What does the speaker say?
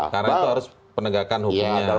karena itu harus penegakan hukumnya